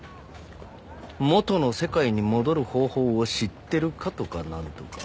元の世界に戻る方法を知ってるかとか何とか。